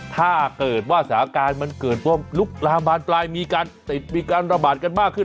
ถ้าเกิดว่าสถาการณ์มันเกิดตัวลุกระบาดปลายมีการระบาดกันมากขึ้น